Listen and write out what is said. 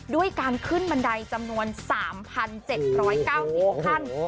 ด้วยการขึ้นบันไดจำนวน๓๗๙๐ขั้น